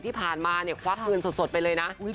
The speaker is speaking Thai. ที่ผ่านมาเนี่ยควักเงินสดไปเลยนะ